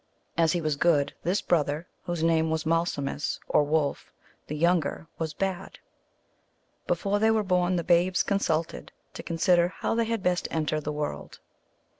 As he was good, this brother, whose name was Malsumsis, or Wolf the younger, was bad. Before they were born, the babes consulted to consider how they had best enter the world.